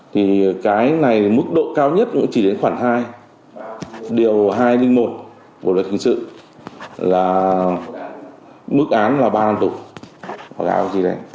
thì cái này mức độ cao nhất cũng chỉ đến khoảng hai điều hai linh một của lịch hình sự là mức án là ba năm tục